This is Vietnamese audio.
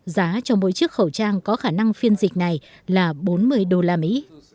giá cho mỗi chiếc khẩu trang có khả năng phiên dịch này là bốn mươi đô la mỹ